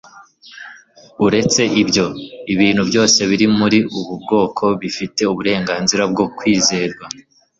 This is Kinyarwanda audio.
uretse ibyo, ibintu byose biri muri ubu bwoko bifite uburenganzira bwo kwizerwa